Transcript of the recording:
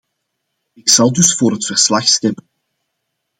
Ik zal dus voor het verslag stemmen.